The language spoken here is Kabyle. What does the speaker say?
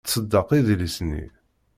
Tṣeddeq idlisen-nni.